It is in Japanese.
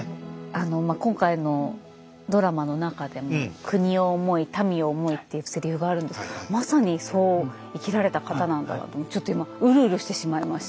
あの今回のドラマの中でも「国を思い民を思い」っていうセリフがあるんですけどまさにそう生きられた方なんだなとちょっと今うるうるしてしまいました。